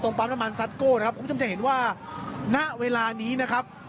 ตรงปั้นประมาณนะครับคุณผู้ชมจะเห็นว่าณเวลานี้นะครับ